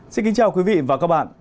xin kính chào quý vị và các bạn